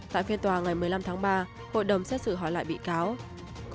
tại phiên tòa ngày một mươi năm tháng ba hội đồng xét xử hỏi lại bị cáo